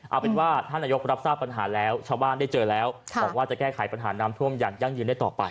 เอาเป็นว่าท่านนายกรับทราบปัญหาแล้วชาวบ้านได้เจอแล้วบอกว่าจะแก้ไขปัญหาน้ำท่วมอย่างยั่งยืนได้ต่อไป